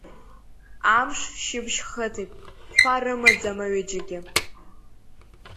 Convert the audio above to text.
Амш шьыбжь хыҵит, фа рымаӡам аҩыџьагьы.